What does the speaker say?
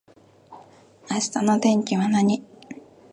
明日の天気は何